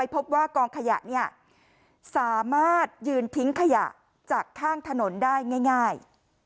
พบว่ากองขยะสามารถยืนทิ้งขยะจากข้างถนนได้ง่าย